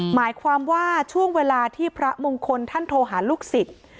หมายความว่าช่วงเวลาที่พระมงคลท่านโทรหาลูกศิษย์